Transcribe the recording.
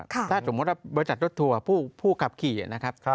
ถ้าสมมุติว่าบริษัทรถทัวร์ผู้ขับขี่นะครับ